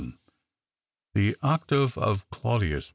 THE OCTAVE OF CLAUDIUS.